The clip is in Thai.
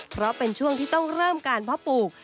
เพราะเป็นช่วงที่ต้องเริ่มการเพาะปลูก